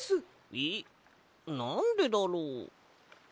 えっなんでだろう？